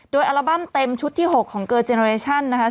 โดยอัลบั้มเต็มชุดที่๖ของเกอร์เจนเรชั่นนะคะ